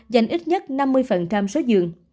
dành ít nhất năm mươi số dường